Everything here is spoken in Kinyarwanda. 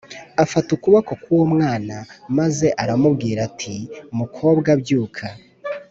Afata ukuboko k’ uwo mwana maze aramubwira ati mukobwa byuka